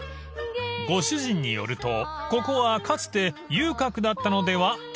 ［ご主人によるとここはかつて遊郭だったのでは？とのこと］